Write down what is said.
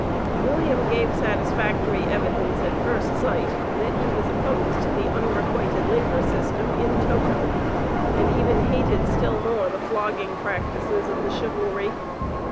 William gave satisfactory evidence, at first sight, that he was opposed to the unrequited labor system in toto, and even hated still more the flogging practices of the chivalry.